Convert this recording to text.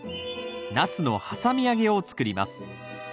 ナスのはさみ揚げを作ります。